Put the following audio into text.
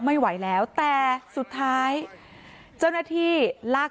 เมื่อเวลาอันดับ